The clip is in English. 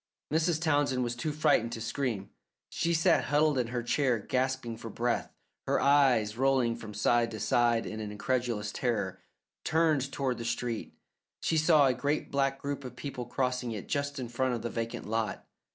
Mrs. Townsend was too frightened to scream. She sat huddled in her chair, gasping for breath, her eyes, rolling from side to side in incredulous terror, turned toward the street. She saw a great black group of people crossing it just in front of the vacant lot.